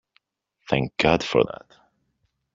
Thank God for that!